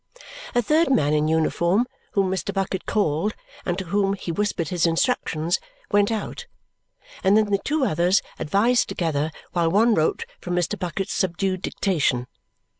A third man in uniform, whom Mr. Bucket called and to whom he whispered his instructions, went out; and then the two others advised together while one wrote from Mr. Bucket's subdued dictation.